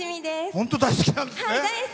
本当に大好きなんですね。